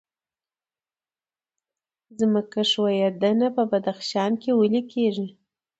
ځمکې ښویدنه په بدخشان کې ولې کیږي؟